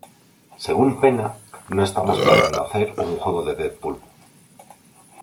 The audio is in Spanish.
Según Penna, "No estábamos planeando hacer un juego de Deadpool.